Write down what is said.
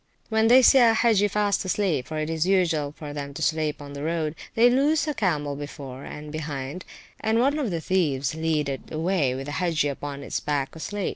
When they see an Hagge fast asleep (for it is usual for them to sleep on the road), they loose a camel before and behind, and one of the thieves leads it away with the Hagge upon its back asleep.